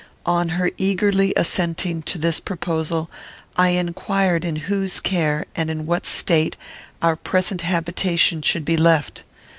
On her eagerly assenting to this proposal, I inquired in whose care, and in what state, our present habitation should be left.